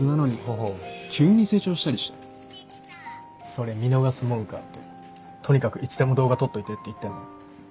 それ見逃すもんかって「とにかくいつでも動画撮っといて」って言ってんの。